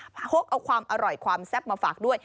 พกเอาความอร่อยความแซ่บมาฝากด้วย